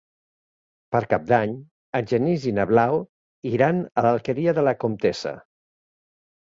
Per Cap d'Any en Genís i na Blau iran a l'Alqueria de la Comtessa.